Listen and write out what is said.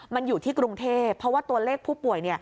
มันอยู่ที่กรุงเทพเพราะว่าตัวเลขผู้ป่วย